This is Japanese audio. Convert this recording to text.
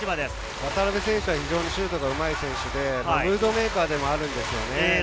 渡邉選手はシュートがうまくてムードメーカーでもあるんですよね。